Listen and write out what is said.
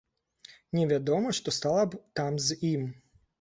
Невядома, што стала б там з ім.